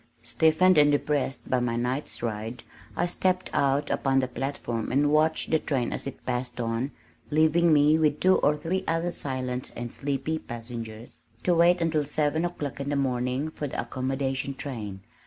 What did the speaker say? Stiffened and depressed by my night's ride, I stepped out upon the platform and watched the train as it passed on, leaving me, with two or three other silent and sleepy passengers, to wait until seven o'clock in the morning for the "accommodation train."